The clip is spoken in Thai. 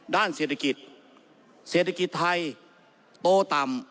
ด้านเศรษฐกิจเศรษฐกิจไทยโตต่ำ